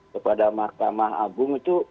kepada mahkamah agung itu